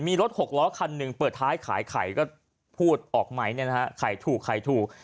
มีรถหกล้อคันหนึ่งเปิดท้ายขายไข่ก็พูดออกไหมเนี่ยนะฮะไข่ถูกไข่ถูก